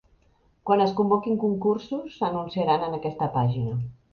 Quan es convoquin concursos s'anunciaran en aquesta pàgina.